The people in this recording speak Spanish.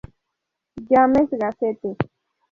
James Gazette".